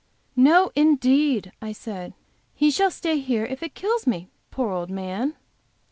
"No, indeed!" I said. "He shall stay here if it kills me, poor old man!"